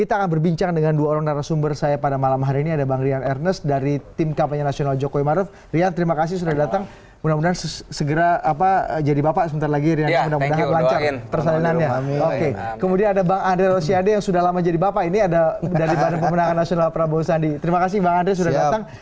terima kasih bang andre sudah datang